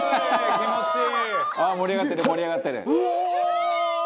気持ちいい！